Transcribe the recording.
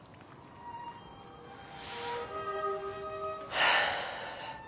・はあ。